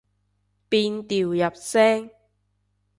變調入聲